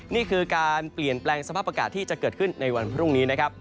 นี่คือการเปลี่ยนแปลงสภาพอากาศที่จะเกิดขึ้นในวันพรุ่งนี้นะครับ